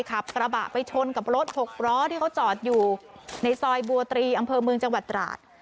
ขับกระบะไปชนกับรถหกล้อที่เขาจอดอยู่ในซอยบัวตรีอำเภอเมืองจังหวัดตราด